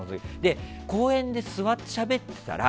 公園で座ってしゃべってたら